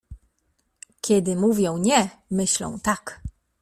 Kiedy mówią „nie”, myślą „tak”.